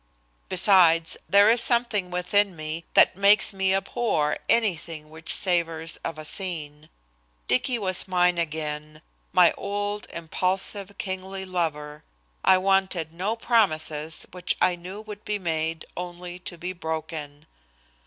Besides, there is something within me that makes me abhor anything which savors of a scene. Dicky was mine again, my old, impulsive, kingly lover. I wanted no promises which I knew would be made only to be broken.